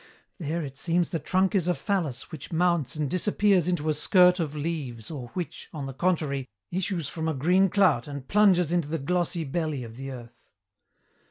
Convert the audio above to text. There it seems the trunk is a phallus which mounts and disappears into a skirt of leaves or which, on the contrary, issues from a green clout and plunges into the glossy belly of the earth.